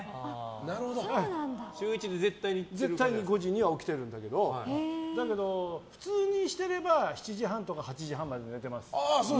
週１で絶対に？絶対に５時には起きてるんだけど普通にしてれば７時半とか８時半まで寝てます。